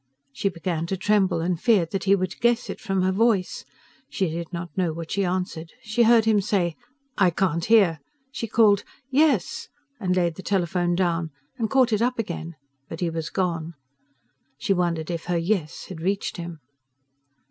She began to tremble, and feared that he would guess it from her voice. She did not know what she answered: she heard him say: "I can't hear." She called "Yes!" and laid the telephone down, and caught it up again but he was gone. She wondered if her "Yes" had reached him.